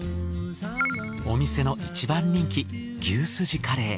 お店の一番人気牛スジカレー。